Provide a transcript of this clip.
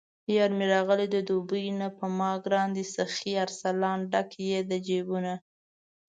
یارمې راغلی د دوبۍ نه په ماګران دی سخي ارسلان، ډک یې د جېبونه